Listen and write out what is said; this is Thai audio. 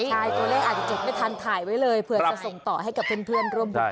ใช่ตัวเลขอาจจะจดไม่ทันถ่ายไว้เลยเผื่อจะส่งต่อให้กับเพื่อนร่วมพิธี